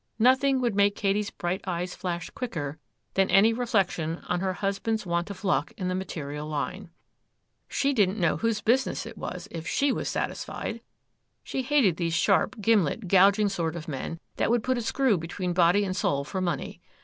Nothing would make Katy's bright eyes flash quicker than any reflections on her husband's want of luck in the material line. 'She didn't know whose business it was, if she was satisfied. She hated these sharp, gimlet, gouging sort of men that would put a screw between body and soul for money.